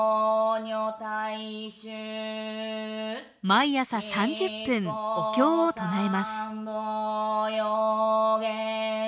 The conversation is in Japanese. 毎朝３０分お経を唱えます。